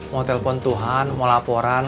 mau telpon tuhan mau laporan